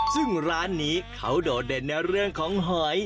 ซึ่งร้านนี้เขาโดดเด่นในเรื่องของหอย